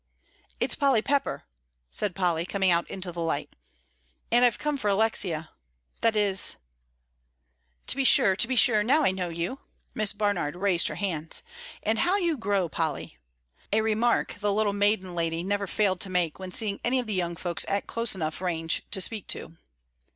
"It's Polly Pepper," said Polly, coming out into the light, "and I've come for Alexia; that is " "To be sure, to be sure, now I know you," Miss Barnard raised her hands, "and how you grow, Polly," a remark the little maiden lady never failed to make when seeing any of the young folks at close enough, range to speak to.